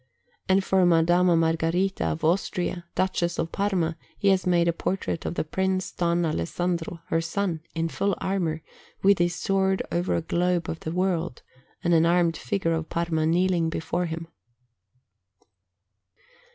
And for Madama Margherita of Austria, Duchess of Parma, he has made a portrait of the Prince Don Alessandro, her son, in full armour, with his sword over a globe of the world, and an armed figure of Parma kneeling before him.